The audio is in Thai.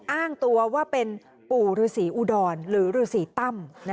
อ้างตัวว่าเป็นปู่ฤษีอุดรหรือฤษีตั้ม